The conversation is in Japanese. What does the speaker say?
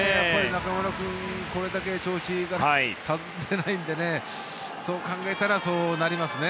中村君、これだけ調子がいいと外せないのでそう考えたらそうなりますね。